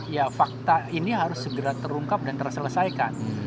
ya fakta ini harus segera terungkap dan terselesaikan